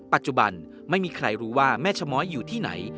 ปัจจุบันไม่มีใครรู้ว่าแม่ชะม้อยอยู่ที่ไหน